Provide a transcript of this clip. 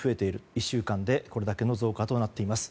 １週間でこれだけの増加となっています。